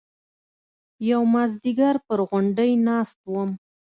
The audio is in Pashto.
يو مازديگر پر غونډۍ ناست وم.